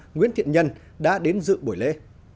nguyễn thiện nhân đã đến dự buổi lễ